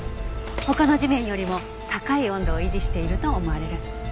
他の地面よりも高い温度を維持していると思われる。